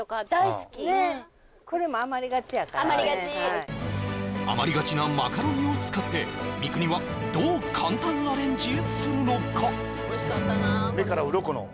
あまりがちあまりがちなマカロニを使って三國はどう簡単アレンジするのか？